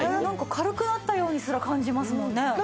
なんか軽くなったようにすら感じますもんね。